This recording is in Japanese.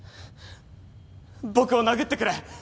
僕を殴ってくれ。